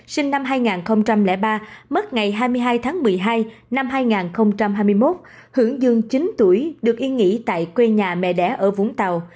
sinh năm hai nghìn ba mất ngày hai mươi hai tháng một mươi hai năm hai nghìn hai mươi một hưởng dương chín tuổi được yên nghỉ tại quê nhà mẹ đẻ ở vũng tàu